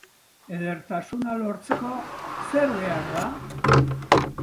Edertasuna lortzeko, zer behar da?